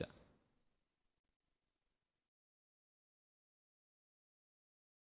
dan inflasi beras di negara lain